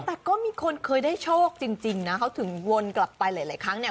แต่ก็มีคนเคยได้โชคจริงนะเขาถึงวนกลับไปหลายครั้งเนี่ย